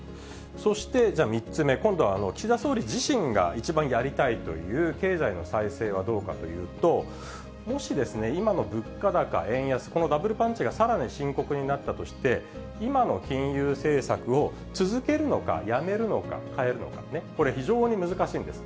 そして３つ目、今度は岸田総理自身が一番やりたいという経済の再生はどうかというと、もし、今の物価高、円安、このダブルパンチがさらに深刻になったとして、今の金融政策を続けるのかやめるのか、変えるのかね、これ、非常に難しいんです。